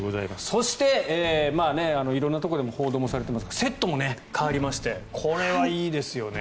そして、色々なところで報道もされていますがセットも変わりましてこれはいいですよね。